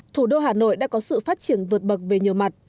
thủ đô hà nội đã có sự phát triển vượt bậc về nhiều mặt